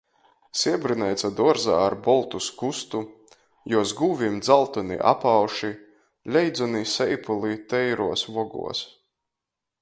Siebrineica duorzā ar boltu skustu, juos gūvim dzaltoni apauši. Leidzoni seipuli teiruos voguos.